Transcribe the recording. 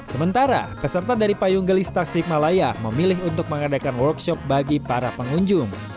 sementara peserta dari payung gelis tasik malaya memilih untuk mengadakan workshop bagi para pengunjung